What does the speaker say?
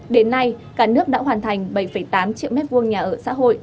đến nay cả nước đã hoàn thành bảy tám triệu mét vuông nhà ở xã hội